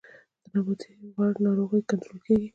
د نباتي ناروغیو کنټرول کیږي